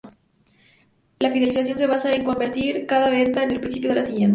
La fidelización se basa en convertir cada venta en el principio de la siguiente.